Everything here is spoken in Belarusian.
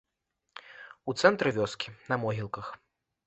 У цэнтры вёскі, на могілках.